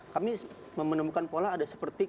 kami menemukan pola ada seperti